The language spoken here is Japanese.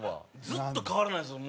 ずっと変わらないんですよ